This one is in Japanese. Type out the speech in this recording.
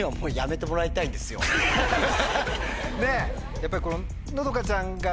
やっぱり。